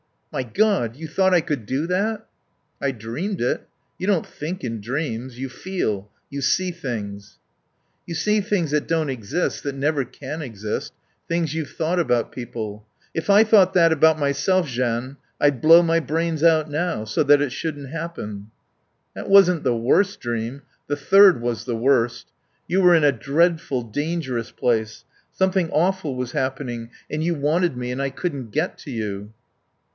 "My God you thought I could do that?" "I dreamed it. You don't think in dreams. You feel. You see things." "You see things that don't exist, that never can exist, things you've thought about people. If I thought that about myself, Jeanne, I'd blow my brains out now, so that it shouldn't happen." "That wasn't the worst dream. The third was the worst. You were in a dreadful, dangerous place. Something awful was happening, and you wanted me, and I couldn't get to you."